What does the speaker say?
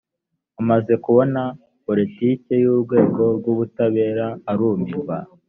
amaze kubona politiki y urwego rw’ ubutabera arumirwa